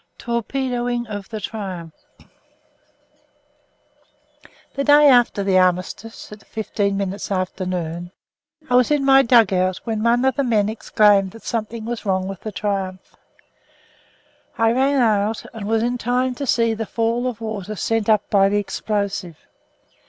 TORPEDOING OF THE TRIUMPH The day after the armistice, at fifteen minutes after noon, I was in my dug out when one of the men exclaimed that something was wrong with the Triumph. I ran out and was in time to see the fall of the water sent up by the explosive.